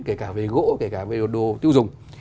kể cả về gỗ kể cả về đồ tiêu dùng